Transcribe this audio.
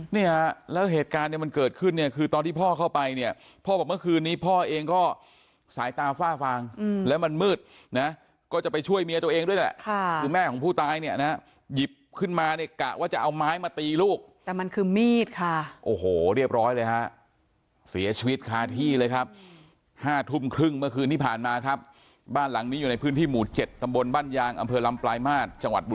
เนี่ยฮะแล้วเหตุการณ์เนี่ยมันเกิดขึ้นเนี่ยคือตอนที่พ่อเข้าไปเนี่ยพ่อบอกเมื่อคืนนี้พ่อเองก็สายตาฝ้าฟางแล้วมันมืดนะก็จะไปช่วยเมียตัวเองด้วยแหละค่ะคือแม่ของผู้ตายเนี่ยนะฮะหยิบขึ้นมาเนี่ยกะว่าจะเอาไม้มาตีลูกแต่มันคือมีดค่ะโอ้โหเรียบร้อยเลยฮะเสียชีวิตค้าที่เลยครับห้าท